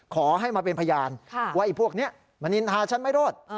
ขอให้มาเป็นพยานว่าไอ้พวกนี้มณินทาฉันไม่รอด